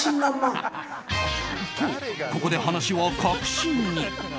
と、ここで話は核心に。